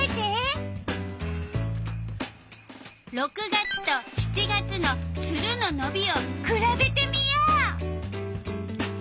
６月と７月のツルののびをくらべてみよう。